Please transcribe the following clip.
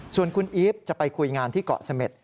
ส่วนคุณอีฟจะไปคุยงานที่เกาะเสม็ด